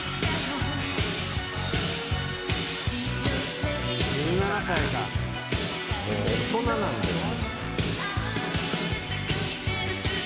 もう大人なんだよ。